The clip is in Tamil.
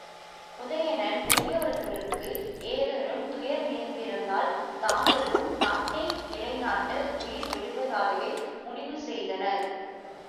உதயணன் முதலியவர்களுக்கு ஏதேனும் துயர்நேர்ந்திருந்தால் தாங்களும் நட்பை நிலைநாட்ட உயிர் விடுவதாகவே முடிவு செய்தனர்.